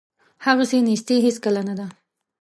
هغسې نیستي هیڅکله نه ده.